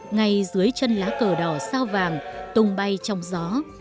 ngay dưới chân lá cờ đỏ sao vàng tung bay trong gió